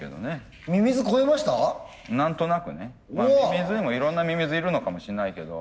ミミズにもいろんなミミズいるのかもしれないけど。